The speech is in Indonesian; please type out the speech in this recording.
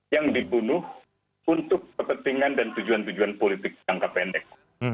yang dibunuh untuk kepentingan dan tujuan tujuan politik jangka pendek